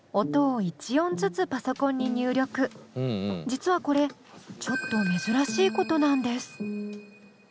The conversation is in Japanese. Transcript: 実はこれちょっと珍しいことなんです。